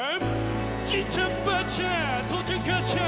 じいちゃんばあちゃん父ちゃん